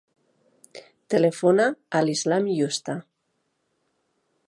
Telefona a l'Islam Yusta.